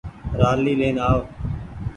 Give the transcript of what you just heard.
رآلي لين آئو۔